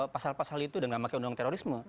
pasal pasal itu dan gak pakai undang undang terorisme